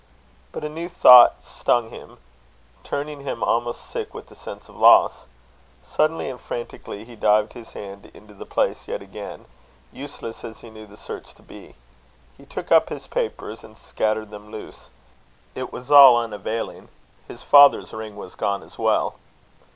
But a new thought stung him, turning him almost sick with a sense of loss. Suddenly and frantically he dived his hand into the place yet again, useless as he knew the search to be. He took up his papers, and scattered them loose. It was all unavailing: his father's ring was gone as well.